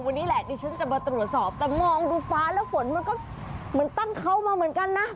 วันนี้แหละดิฉันจะมาตรวจสอบแต่มองดูฟ้าแล้วฝนมันก็เหมือนตั้งเขามาเหมือนกันนะ